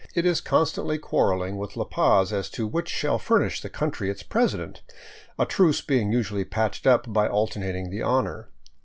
It is constantly quarrelling with La Paz as to which shall furnish the country its president, a truce being usually patched up by alternating the honor.